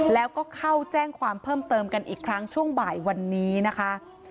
แล้วก็เข้าแจ้งความเพิ่มเติมกันอีกครั้งช่วงบ่ายวันนี้นะคะ